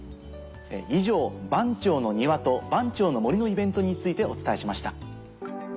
以上番町の庭と番町の森のイベントについてお伝えしました。